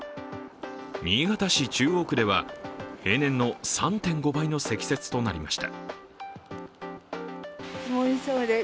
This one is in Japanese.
新潟市中央区では平年の３．５倍の積雪となりました。